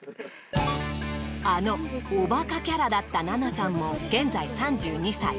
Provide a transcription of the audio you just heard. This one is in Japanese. あのおバカキャラだった奈々さんも現在３２歳。